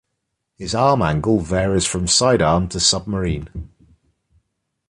His arm angle varies from sidearm to submarine.